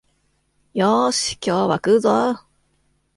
よーし、今日は食うぞお